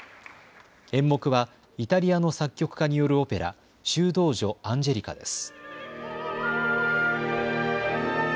演目はイタリアの作曲家によるオペラ、修道女アンジェリカです。